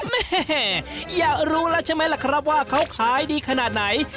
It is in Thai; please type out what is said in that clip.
แม่อยากรู้แล้วใช่ไหมล่ะครับว่าเขาขายดีขนาดไหน